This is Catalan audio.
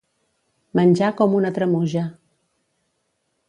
Menjar com una tremuja.